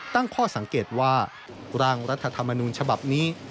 ตั้งข้อสังเกตว่าร่างรัฐธรรมนูญฉบับนี้